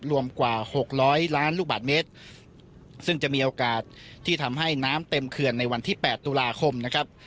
รวมกว่าหกร้อยล้านลูกบาทเมตรซึ่งจะมีโอกาสที่ทำให้น้ำเต็มเขื่อนในวันที่แปดตุลาคมนะครับ